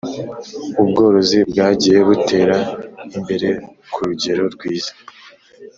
Ubworozi bwagiye butera imbere k’ urugero rwiza